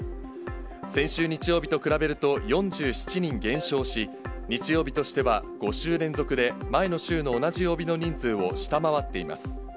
先週日曜日と比べると４７人減少し、日曜日としては５週連続で、前の週の同じ曜日の人数を下回っています。